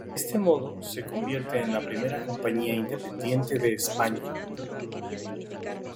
De este modo se convierte en la primera compañía independiente de España.